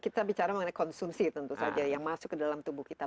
kita bicara mengenai konsumsi tentu saja yang masuk ke dalam tubuh kita